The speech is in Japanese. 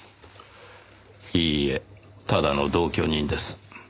いいえただの同居人です。